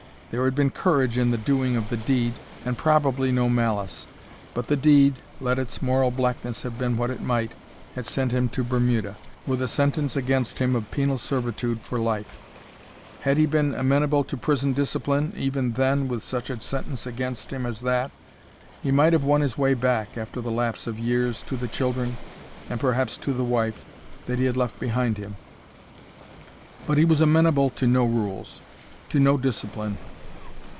There had been courage in the doing of the deed, and probably no malice; but the deed, let its moral blackness have been what it might, had sent him to Bermuda, with a sentence against him of penal servitude for life. Had he been then amenable to prison discipline,—even then, with such a sentence against him as that,—he might have won his way back, after the lapse of years, to the children, and perhaps, to the wife, that he had left behind him; but he was amenable to no rules—to no discipline.